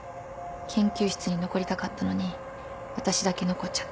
研究室に残りたかったのに私だけ残っちゃったし。